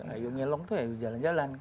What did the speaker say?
ayo ngelong tuh ya jalan jalan